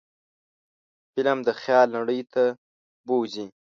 فلم د خیال نړۍ ته بوځي